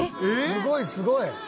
すごいすごい。